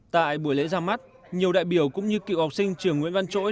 tại buổi lễ ra mắt nhiều đại biểu cũng như cựu học sinh trường nguyễn văn chỗi